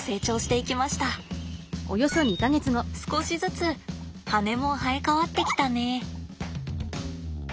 少しずつ羽も生え変わってきたね。